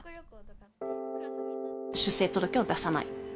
出生届を出さない。